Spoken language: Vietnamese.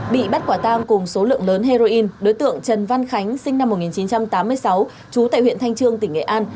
bị bắt quả tang cùng số lượng lớn heroin đối tượng trần văn khánh sinh năm một nghìn chín trăm tám mươi sáu trú tại huyện thanh trương tỉnh nghệ an